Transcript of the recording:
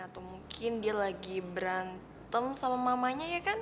atau mungkin dia lagi berantem sama mamanya ya kan